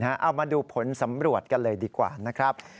เอามาดูผลสำรวจกันเลยดีกว่านะครับ